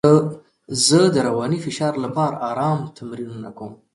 زه د رواني فشار لپاره ارام تمرینونه کوم.